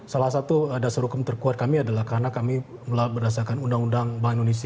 salah satu dasar hukum terkuat kami adalah karena kami berdasarkan undang undang bank indonesia